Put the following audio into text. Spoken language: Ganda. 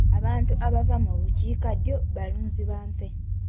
Abantu abava mu bukiikaddyo balunzi ba nte.